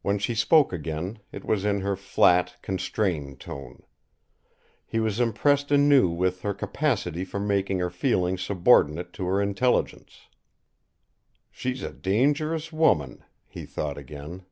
When she spoke again, it was in her flat, constrained tone. He was impressed anew with her capacity for making her feeling subordinate to her intelligence. "She's a dangerous woman," he thought again.